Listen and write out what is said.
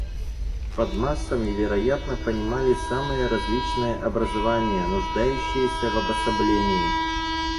Под массами, вероятно, понимали самые различные образования, нуждающиеся в обособлении.